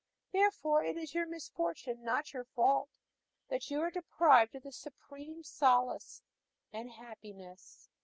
Therefore it is your misfortune, not your fault, that you are deprived of this supreme solace and happiness."